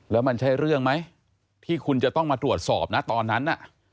แล้วมันใช่เรื่องไหมที่คุณจะต้องมาตรวจสอบนะตอนนั้น